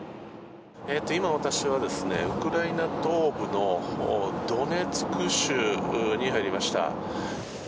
今、私はウクライナ東部のドネツク州に入りました。